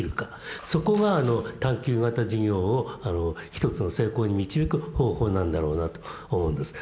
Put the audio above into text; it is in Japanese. そこが探究型授業を一つの成功に導く方法なんだろうなと思うんです。